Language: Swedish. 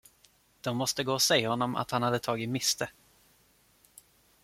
De måste gå och säga honom att han hade tagit miste.